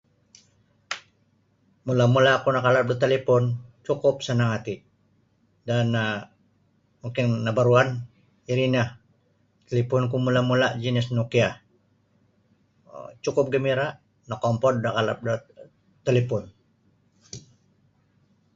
Mula'-mula' oku nakalap da talipon cukup sanang hati dan um mungkin nabaruan iri nio taliponku mula'-mula' jinis Nokia um cukup gambira' nokompod nakalap da talipon.